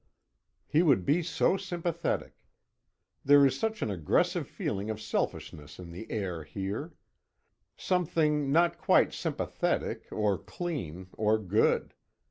He would be so sympathetic! There is such an aggressive feeling of selfishness in the air here. Something not quite sympathetic, or clean, or good.